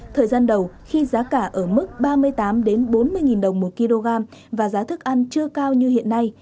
thời gian đầu khi giá cả ở mức ba mươi tám bốn mươi đồng một kg và giá thức ăn chưa cao như hiện nay